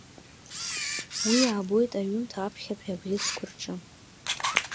Уи аабоит аҩымҭа аԥхьатәи абӷьыцқәа рҿы.